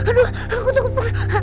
aduh aku takut